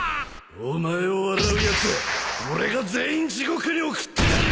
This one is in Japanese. お前を笑うやつは俺が全員地獄に送ってやる！